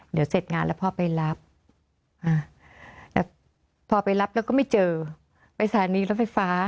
เดี๋ยวเสร็จงานแล้วพ่อไปรับแล้วพอไปรับแล้วก็ไม่เจอไปสถานีรถไฟฟ้า